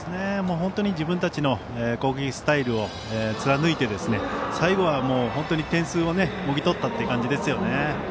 本当に自分たちの攻撃スタイルを貫いて最後は点数をもぎ取ったという感じですね。